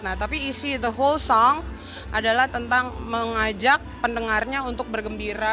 nah tapi isi the whole song adalah tentang mengajak pendengarnya untuk bergembira